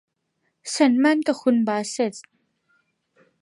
ฉันหมั้นกับคุณบาสเส็ต